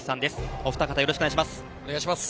お二方、よろしくお願いします。